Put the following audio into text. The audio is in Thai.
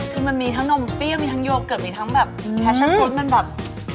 คือมันมีทั้งนมเปรี้ยวมีทั้งโยเกิร์ตมีทั้งแบบแพชชั่นฟุตมันแบบ